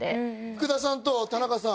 福田さんと田中さん